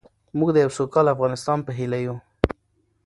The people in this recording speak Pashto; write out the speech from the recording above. موږ د یو سوکاله افغانستان په هیله یو.